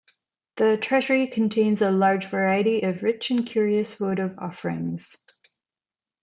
The treasury contains a large variety of rich and curious votive offerings.